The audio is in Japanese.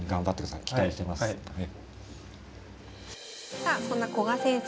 さあそんな古賀先生